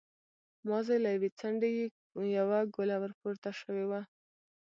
مازې له يوې څنډې يې يوه ګوله ور پورته شوې وه.